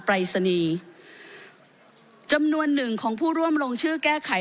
ปรายศนีย์จำนวนหนึ่งของผู้ร่วมลงชื่อแก้ไข